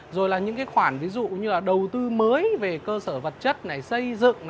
rồi là những khoản ví dụ như đầu tư mới về cơ sở vật chất xây dựng